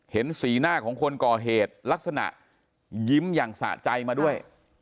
เห็นสีหน้าของคนก่อเหตุลักษณะยิ้มอย่างสะใจมาด้วย